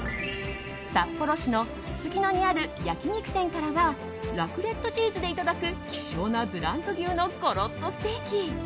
札幌市のすすきのにある焼き肉店からはラクレットチーズでいただく希少なブランド牛のゴロッとステーキ。